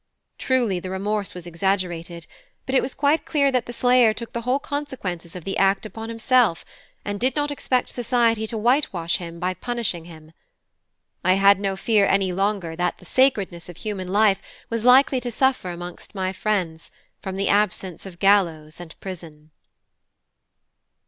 Truly, the remorse was exaggerated; but it was quite clear that the slayer took the whole consequences of the act upon himself, and did not expect society to whitewash him by punishing him. I had no fear any longer that "the sacredness of human life" was likely to suffer amongst my friends from the absence of gallows and prison.